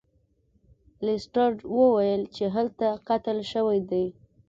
لیسټرډ وویل چې دلته قتل شوی دی.